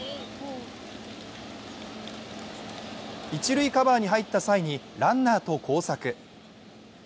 一塁カバーに入った際にランナーと交錯。